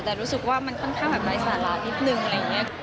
แต่รู้สึกว่ามันค่อนข้างแบบไร้สาระนิดนึงอะไรอย่างนี้